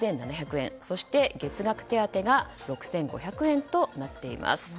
そして月額手当が６５００円となっています。